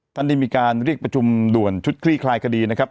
ท่านได้มีการเรียกประชุมด่วนชุดคลี่คลายคดีนะครับ